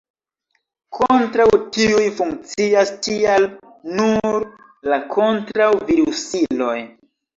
Kontraŭ tiuj funkcias tial nur la kontraŭ-virusiloj.